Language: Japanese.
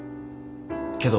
けど。